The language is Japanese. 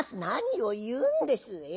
「何を言うんです。